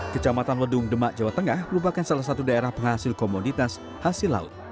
kecamatan wedung demak jawa tengah merupakan salah satu daerah penghasil komoditas hasil laut